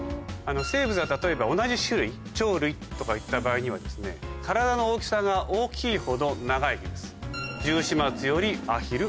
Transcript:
生物が例えば同じ種類鳥類とかいった場合には体の大きさが大きいほど長生きです。